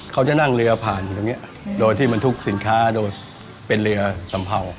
เขาจะนั่งเรือผ่านตรงนี้โดยที่บรรทุกสินค้าโดยเป็นเรือสัมเภา